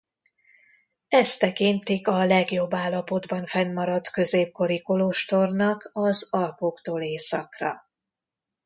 Ezt tekintik a legjobb állapotban fennmaradt középkori kolostornak az Alpoktól északra.